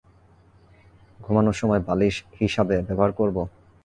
ঘুমানোর সময় বালিশ হিসাবে ব্যবহার করব?